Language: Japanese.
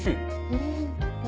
うん。